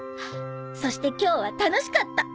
そして今日は楽しかった。